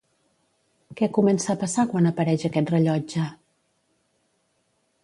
Què comença a passar quan apareix aquest rellotge?